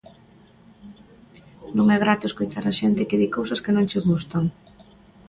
Non é grato escoitar a xente que di cousas que non che gustan.